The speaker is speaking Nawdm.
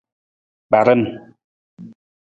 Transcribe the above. Kparan.